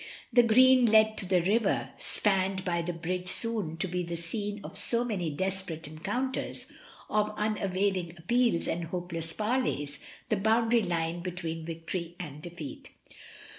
The green led to the river, spanned by the bridge soon to be the scene of so many desperate encounters, of un availing appeals and hopeless parleys, the boundary line between victory and defeat.